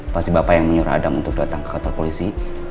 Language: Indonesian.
pasti bapak yang menyuruh adam untuk datang ke kantor polisi